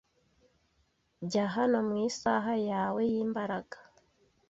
Jya hano mu isaha yawe y'imbaraga